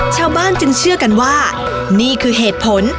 ชาวบ้านจึงเชื่อกันว่านี่คือเหตุผล